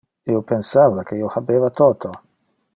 Io pensava que io habeva toto.